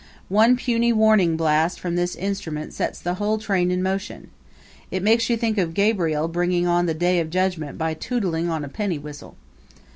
One puny warning blast from this instrument sets the whole train in motion. It makes you think of Gabriel bringing on the Day of Judgment by tootling on a penny whistle.